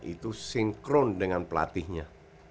itu sinkron dengan pelatihnya